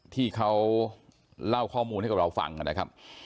ที่เขาเล่าข้อมูลให้กับเราฟังนะครับ